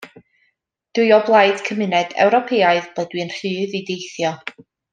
Dw i o blaid Cymuned Ewropeaidd ble dw i'n rhydd i deithio.